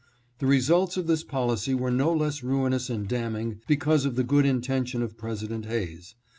The results of this policy were no less ruinous and damning because of the good intention of President Hayes.